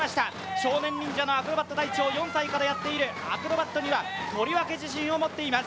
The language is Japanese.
少年忍者のアクロバット隊長４歳からやっているアクロバットには、とりわけ自信を持っています。